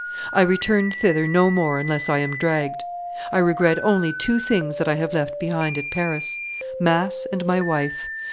I return thither no more unless I am dragged. I regret only two things that I have left behind at Paris mass and my wife.